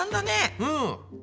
うん！